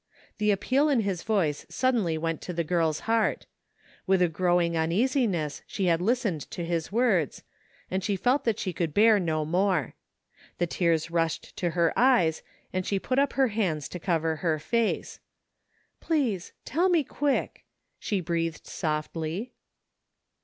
The appeal in his voice suddenly went to the girl's heart. With a grow ing uneasiness she had listened to his words, and she felt that she could 'bear no more. The tears rushed to her eyes and she put up her hands to cover her face. " Please. Tell me quick! " she breathed softly.